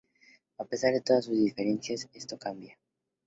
A pesar de todas sus diferencias, esto cambia.